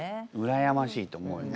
羨ましいと思うよね。